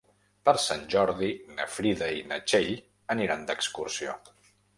Per Sant Jordi na Frida i na Txell aniran d'excursió.